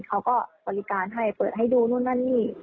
เขาก็บริการให้เปิดให้ดูนู่นนั่นนี่